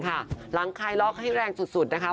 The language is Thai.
หลังคลายล็อกให้แรงสุดนะคะ